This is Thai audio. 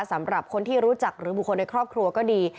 สำหรับคนที่รู้จักหรือบุคคลในครอบครัวก็ดี